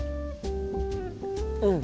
うん！